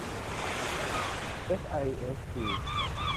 เอสไอเอสบี